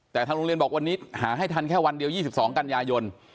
แต่ทางโรงเรียนบอกวันนี้หาให้ทันแค่วันเดียว๒๒กันยายน